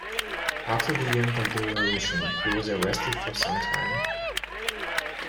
After the end of the Revolution, he was arrested for some time.